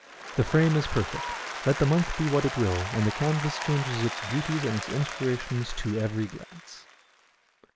The frame is perfect, let the month be what it will, and the canvas changes its beauties and its inspirations to every glance.